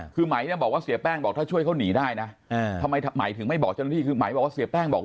คือหมายเนี่ยบอกว่าเสียแป้งบอกถ้าช่วยเขาหนีได้นะ